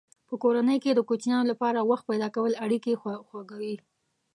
په کورنۍ کې د کوچنیانو لپاره وخت پیدا کول اړیکې خوږوي.